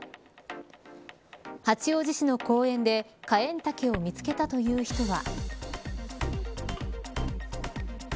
八王子市の公園でカエンタケを見つけたという人は。